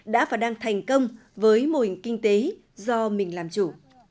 đã và đang thành công với mô hình kinh tế do mình làm chủ